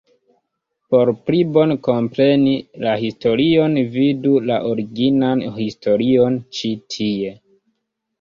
Por pli bone kompreni la historion vidu la originan historion ĉi tie!